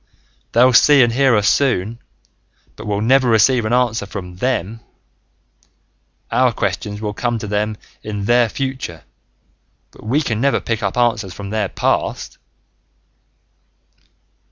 They'll see and hear us soon, but we'll never receive an answer from them! Our questions will come to them in their future but we can never pick answers from their past!"